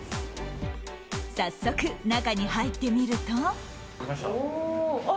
早速、中に入ってみると。